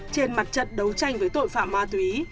trên mặt trận đấu tranh với tội phạm ma túy